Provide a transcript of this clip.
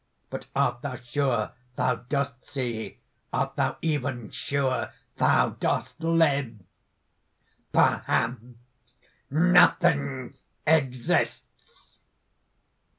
"But art thou sure thou dost see? art thou even sure thou dost live? Perhaps nothing exists!"